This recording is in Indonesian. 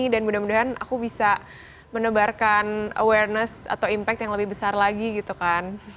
dan mudah mudahan aku bisa menebarkan awareness atau impact yang lebih besar lagi gitu kan